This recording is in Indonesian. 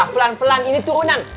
pelan pelan ini turunan